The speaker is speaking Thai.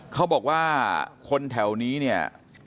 เขาบอกว่าคนแถวนี้เนี่ย